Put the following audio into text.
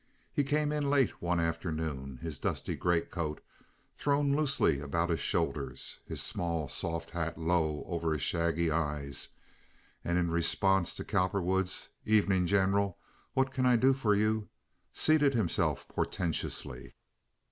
He came in late one afternoon, his dusty greatcoat thrown loosely about his shoulders, his small, soft hat low over his shaggy eyes, and in response to Cowperwood's "Evening, General, what can I do for you?" seated himself portentously.